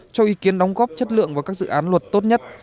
cho ý kiến đóng góp chất lượng vào các dự án luật tốt nhất